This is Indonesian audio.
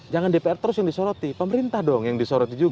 jangan dpr terus yang disoroti pemerintah dong yang disoroti juga